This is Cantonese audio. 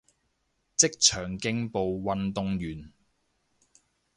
職業競步運動員